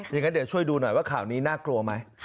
อย่างนั้นเดี๋ยวช่วยดูหน่อยว่าข่าวนี้น่ากลัวไหม